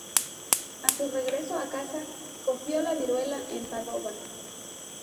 A su regreso a casa, cogió la viruela en Padova.